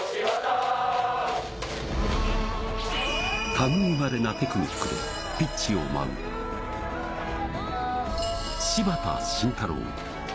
類いまれなテクニックでピッチを舞う、柴田晋太朗。